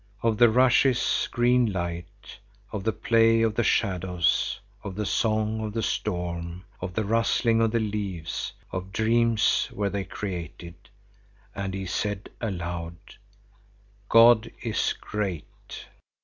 Of the rushes' green light, of the play of the shadows, of the song of the storm, of the rustling of the leaves, of dreams were they created. And he said aloud: "God is great."